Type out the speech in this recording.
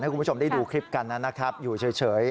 คุณผู้ชมได้ดูคลิปกันนะครับอยู่เฉย